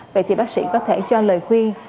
vậy thì bác sĩ có thể cho lời khuyên